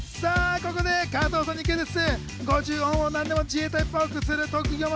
ここで加藤さんにクイズッス。